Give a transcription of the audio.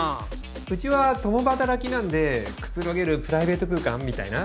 うちは共働きなんでくつろげるプライベート空間みたいな？